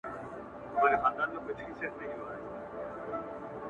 • د بنگړي زړه دي ورته وچاوداوه لاس يې تش ســـــو.